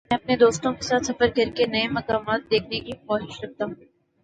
میں اپنے دوستوں کے ساتھ سفر کر کے نئی مقامات دیکھنے کی خواہش رکھتا ہوں۔